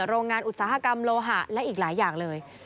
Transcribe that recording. โรงงานอุตสาหกรรมโลหะและอีกหลายอย่างเลย